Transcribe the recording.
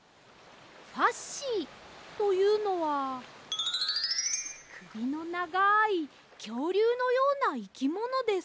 ファッシーというのはくびのながいきょうりゅうのようないきものです。